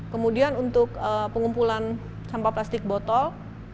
kemudian untuk pengumpulan sampah plastik botol